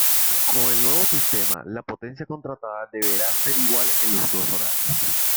Con el nuevo sistema, la potencia contratada deberá ser igual en los dos horarios.